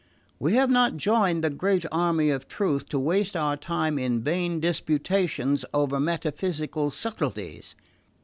We have not joined the great army of truth to waste our time in vain disputations over metaphysical subtleties.